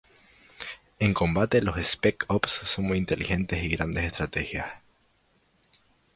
En combate los Spec Ops son muy inteligente y grandes estrategias.